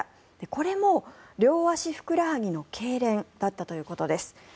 これも両足ふくらはぎのけいれんだったということです。